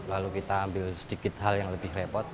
lalu kita ambil sedikit hal yang lebih repot